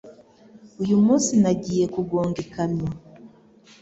Uyu munsi, nagiye kugonga ikamyo